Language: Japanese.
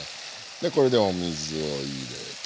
でこれでお水を入れて。